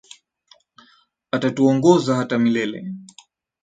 Atatuongoza hata milele.